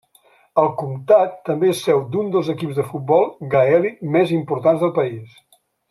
El comtat també és seu d'un dels equips de futbol gaèlic més importants del país.